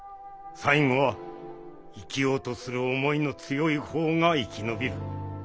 最後は生きようとする思いの強い方が生き延びる。